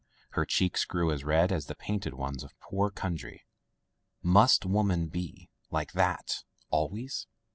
Her cheeks grew as red as the painted ones of poor Kundry. Must women be — ^like that — ^always